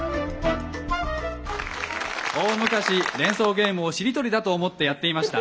大昔連想ゲームをしりとりだと思ってやっていました。